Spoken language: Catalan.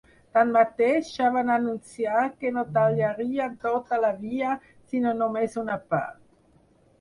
Tanmateix, ja van anunciar que no tallarien tota la via, sinó només una part.